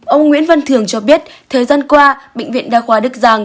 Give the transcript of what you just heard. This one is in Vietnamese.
ông nguyễn văn thường cho biết thời gian qua bệnh viện đa khoa đức giang